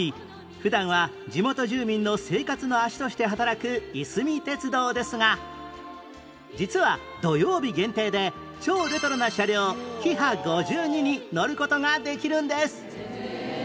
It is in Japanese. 普段は地元住民の生活の足として働くいすみ鉄道ですが実は土曜日限定で超レトロな車両キハ５２に乗る事ができるんです